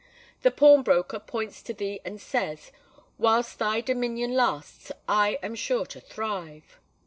The pawnbroker points to thee and says, "Whilst thy dominion lasts, I am sure to thrive."